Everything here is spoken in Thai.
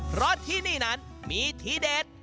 เพราะที่นี่นั้นมีทีเด็ด